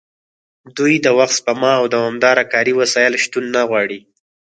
دوی د وخت سپما او دوامداره کاري وسایلو شتون نه غواړي